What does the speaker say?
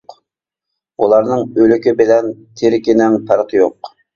بۇلارنىڭ ئۆلۈكى بىلەن تىرىكىنىڭ پەرقى يوق.